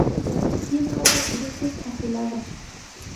Tiene hojas grises-azuladas.